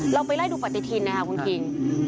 เราไปไล่ดูปฏิทินนะคะคุณคิง